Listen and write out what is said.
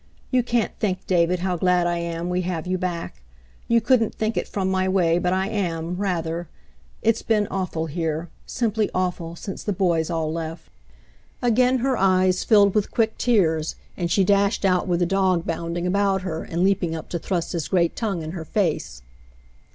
You can't think, David, how glad I am we have you back ! You couldn't think it from my way — but I am — rather ! It's been awful here — simply awful, since the boys all left." Again her eyes filled with quick tears, and she dashed out with the dog bounding about her and leaping up to thrust his great tongue in her face.